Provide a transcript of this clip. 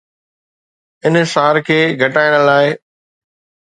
انحصار کي گهٽائڻ لاء